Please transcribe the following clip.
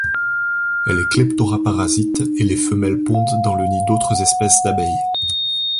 Elle est cléptoraparasite et les femelles pondent dans le nid d'autres espèces d'abeilles.